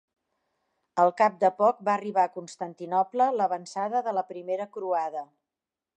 Al cap de poc va arribar a Constantinoble l'avançada de la primera Croada.